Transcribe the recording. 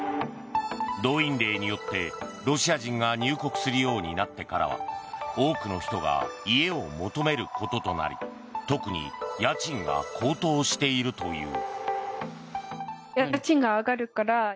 動員令によってロシア人が入国するようになってからは多くの人が家を求めることとなり特に家賃が高騰しているという。